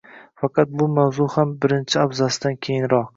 Faqat bu mavzu ham birinchi abzatsdan keyinoq